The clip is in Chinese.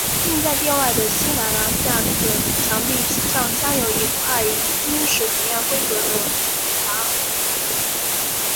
另在殿外的西南廊下的墙壁上镶有一块与经石同样规格的跋。